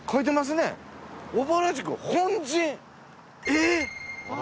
えっ！